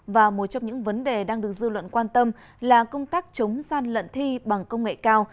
và một trong những vấn đề đang được dư luận quan tâm là công tác chống gian lận thi bằng công nghệ cao